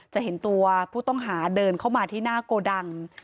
จะเห็นตัวผู้ต้องหาเดินเข้ามาที่หน้าโกดัง